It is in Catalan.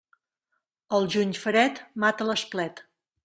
El juny fred mata l'esplet.